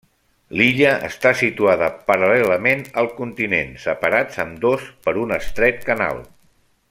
L'illa està situada paral·lelament al continent, separats ambdós per un estret canal.